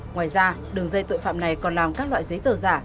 ngoài ra đường dây tội phạm này còn làm các loại giấy tờ giả